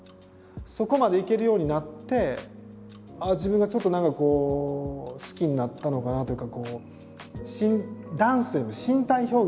そこまでいけるようになってああ自分がちょっと何かこう好きになったのかなというか。